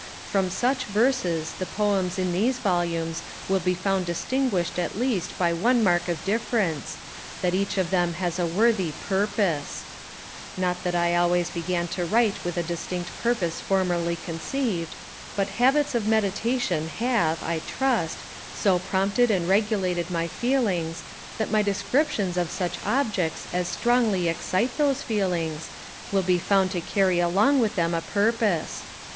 From such verses the Poems in these volumes will be found distinguished at least by one mark of difference, that each of them has a worthy purpose. Not that I always began to write with a distinct purpose formerly conceived; but habits of meditation have, I trust, so prompted and regulated my feelings, that my descriptions of such objects as strongly excite those feelings, will be found to carry along with them a purpose.